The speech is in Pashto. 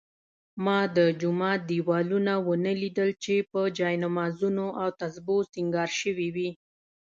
ما د جومات دېوالونه ونه لیدل چې په جالمازونو او تسپو سینګار شوي وي.